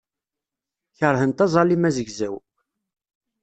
Keṛhent aẓalim azegzaw.